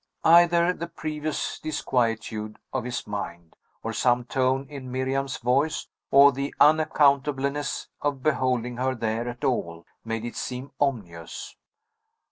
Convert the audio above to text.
Either the previous disquietude of his mind, or some tone in Miriam's voice, or the unaccountableness of beholding her there at all, made it seem ominous.